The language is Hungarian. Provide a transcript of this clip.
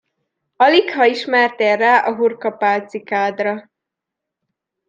Aligha ismertél rá a hurkapálcikádra.